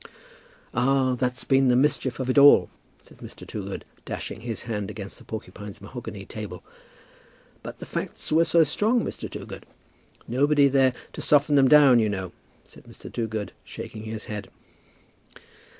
"Ah, that's been the mischief of it all!" said Mr. Toogood, dashing his hand against the porcupine's mahogany table. "But the facts were so strong, Mr. Toogood!" "Nobody there to soften 'em down, you know," said Mr. Toogood, shaking his head.